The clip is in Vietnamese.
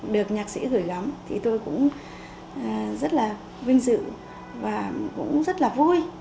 được nhạc sĩ gửi gắm thì tôi cũng rất là vinh dự và cũng rất là vui